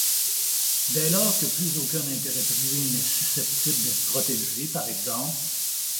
Dès lors que plus aucun intérêt privé n'est susceptible d'être protégé, p.ex.